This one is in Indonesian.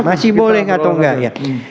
masih boleh atau enggak ya